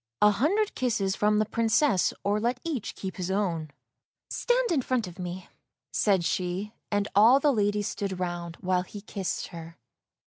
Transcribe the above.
" A hundred kisses from the Princess, or let each keep his own." " Stand in front of me," said she, and all the ladies stood round, while he kissed her.